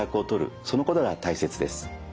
そのことが大切です。